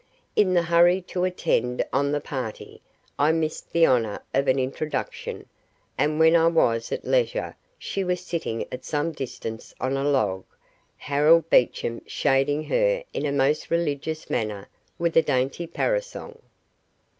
In the hurry to attend on the party, I missed the honour of an introduction, and when I was at leisure she was sitting at some distance on a log, Harold Beecham shading her in a most religious manner with a dainty parasol.